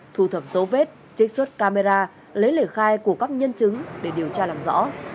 thu thập dấu vết chế xuất camera lấy lễ khai của các nhân chứng để điều tra làm rõ